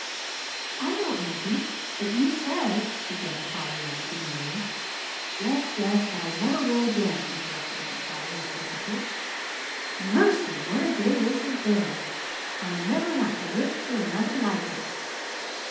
"I know, auntie, but you said " began Pollyanna demurely. "Yes, yes, but I never will again," interrupted Aunt Polly, with emphasis. "Mercy, what a day this has been! I never want to live through another like it."